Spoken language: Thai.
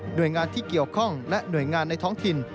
โดยงานที่เกี่ยวข้องและหน่วยงานในท้องถิ่น